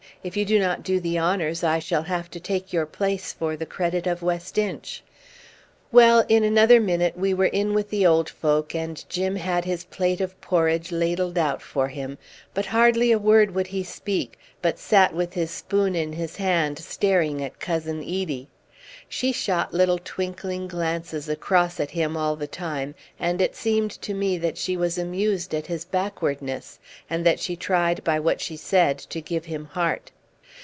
If you do not do the honours, I shall have to take your place for the credit of West Inch." Well, in another minute we were in with the old folk, and Jim had his plate of porridge ladled out for him; but hardly a word would he speak, but sat with his spoon in his hand staring at Cousin Edie. She shot little twinkling glances across at him all the time, and it seemed to me that she was amused at his backwardness, and that she tried by what she said to give him heart.